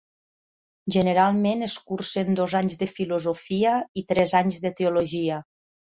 Generalment es cursen dos anys de Filosofia i tres anys de Teologia.